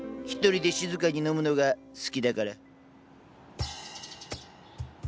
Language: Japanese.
一人で静かに飲むのが好きだから。